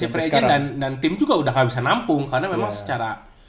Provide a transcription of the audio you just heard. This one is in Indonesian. si fragit dan tim juga udah gak bisa nampung karena memang secara